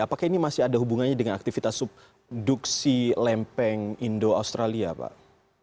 apakah ini masih ada hubungannya dengan aktivitas subduksi lempeng indo australia pak